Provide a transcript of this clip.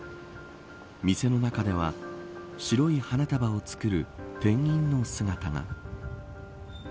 店の中では白い花束を作る店員の姿が。